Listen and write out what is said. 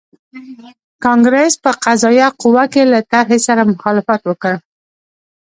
کانګریس په قضایه قوه کې له طرحې سره مخالفت وکړ.